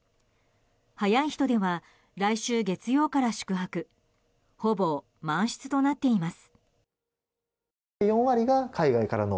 早い人では来週月曜日から宿泊ほぼ満室となっています。